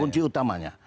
itu kunci utamanya